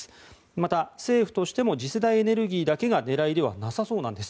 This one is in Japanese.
また、政府としても次世代エネルギーだけが狙いではなさそうなんです。